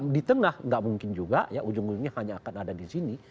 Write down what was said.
di tengah nggak mungkin juga ya ujung ujungnya hanya akan ada di sini